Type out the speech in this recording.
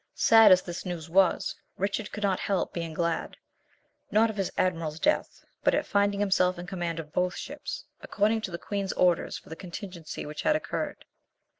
Sad as this news was, Richard could not help being glad, not of his admiral's death, but at finding himself in command of both ships, according to the Queen's orders for the contingency which had occurred.